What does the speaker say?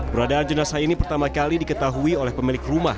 peradaan jenazah ini pertama kali diketahui oleh pemilik rumah